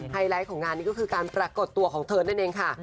ไลท์ของงานนี้ก็คือการปรากฏตัวของเธอนั่นเองค่ะ